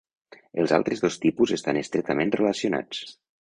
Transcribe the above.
Els dos altres tipus estan estretament relacionats.